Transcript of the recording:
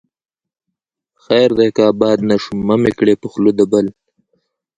خير دى که آباد نه شوم، مه مې کړې په خوله د بل